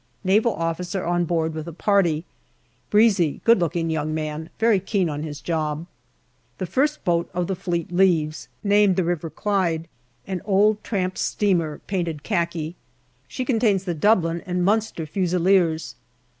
Naval officer on board with a party. Breezy, good looking young man, very keen on his job. The first boat of the fleet leaves, named the River Clyde, an old tramp steamer, painted khaki. She contains the Dublin and Minister Fusiliers.